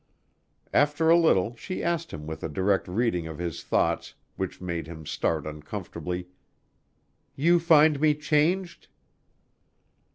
After a little she asked him with a direct reading of his thoughts which made him start uncomfortably, "You find me changed?"